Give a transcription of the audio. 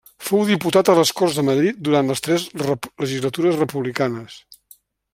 Fou diputat a les Corts de Madrid durant les tres legislatures republicanes.